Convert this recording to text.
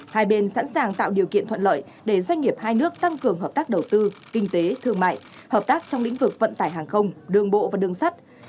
hai bên sẵn sàng tạo điều kiện thuận lợi để doanh nghiệp hai nước tăng cường hợp tác đầu tư kinh tế thương mại hợp tác trong lĩnh vực vận tải hàng không đường bộ và đường sắt